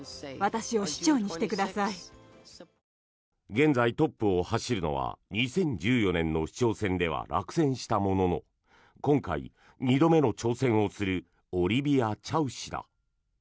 現在トップを走るのは２０１４年の市長選では落選したものの今回、２度目の挑戦をするオリビア・チャウ氏だ。